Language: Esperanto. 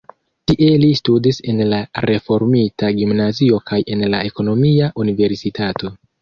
Tie li studis en la reformita gimnazio kaj en la ekonomia universitato.